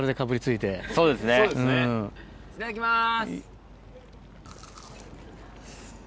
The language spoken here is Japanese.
いただきます！